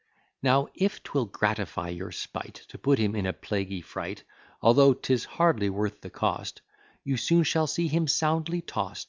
Now, if 'twill gratify your spight, To put him in a plaguy fright, Although 'tis hardly worth the cost, You soon shall see him soundly tost.